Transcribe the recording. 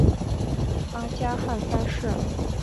阿加汗三世。